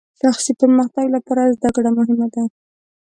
شخصي پرمختګ لپاره زدهکړه مهمه ده.